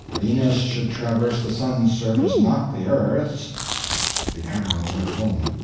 Venus should traverse the sun's surface, not the earth's." The arrow went home.